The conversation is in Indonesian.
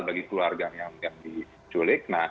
bagi keluarga yang diculik